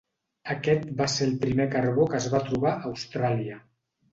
Aquest va ser el primer carbó que es va trobar a Austràlia.